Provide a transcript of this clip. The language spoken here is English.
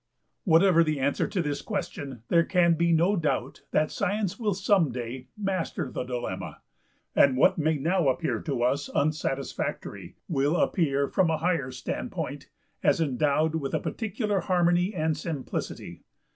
Whatever the answer to this question, there can be no doubt that science will some day master the dilemma, and what may now appear to us unsatisfactory will appear from a higher standpoint as endowed with a particular harmony and simplicity.